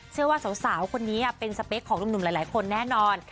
เชื่อว่าสาวคนนี้เป็นสเปคของหนุ่มหลายคนแน่นอน